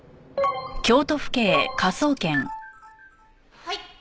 はい！